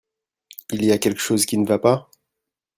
Il y a quelque chose qui ne va pas ?